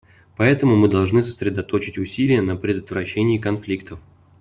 Поэтому мы должны сосредоточить усилия на предотвращении конфликтов.